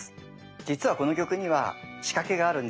実はこの曲には仕掛けがあるんです。